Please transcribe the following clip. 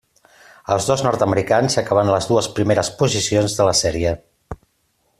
Els dos nord-americans acaben en les dues primeres posicions de la sèrie.